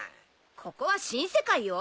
ここは新世界よ。